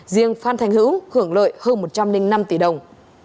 riêng phan thành hữu hưởng lợi hơn một trăm linh năm tỷ đồng